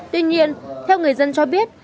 tuy nhiên theo người dân cho biết